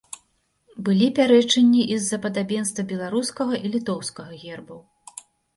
Былі пярэчанні і з-за падабенства беларускага і літоўскага гербаў.